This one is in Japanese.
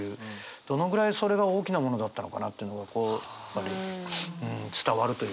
どのぐらいそれが大きなものだったのかなっていうのがこう伝わるというかね。